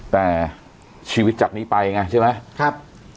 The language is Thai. แต่ชีวิตจากนี้ไปไงใช่ไหมครับ